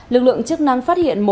lực lượng chức năng phát hiện